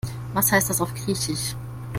Was heißt das auf Griechisch?